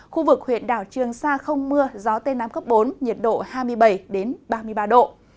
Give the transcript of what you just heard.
khu vực huyện đảo trường sa không mưa gió tây nam cấp bốn nhiệt độ hai mươi bảy ba mươi ba độ